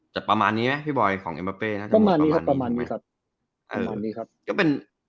ใช่ครับผม